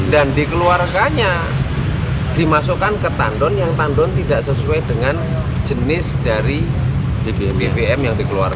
dan dikeluarkannya dimasukkan ke tandon yang tandon tidak sesuai dengan jenis dari bbm yang dikeluarkan